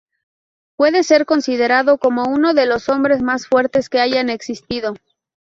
Puede ser considerado como uno de los hombres más fuertes que hayan existido.